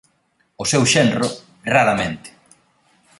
O seu xenro, raramente!